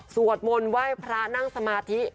สวดมนต์ไหว้พระนั่งสมาธิ